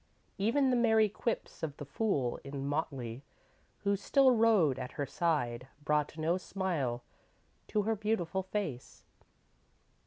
Even the merry quips of the fool in motley, who still rode at her side, brought no smile to her beautiful face.